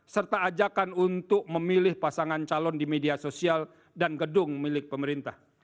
serta ajakan untuk memilih pasangan calon di media sosial dan gedung milik pemerintah